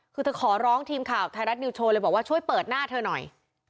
คือเธอขอร้องทีมข่าวไทยรัฐนิวโชว์เลยบอกว่าช่วยเปิดหน้าเธอหน่อย